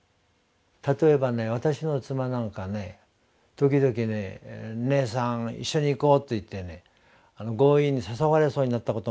例えばね私の妻なんか時々ね「姉さん一緒に行こう」と言って強引に誘われそうになったことがあるんですね。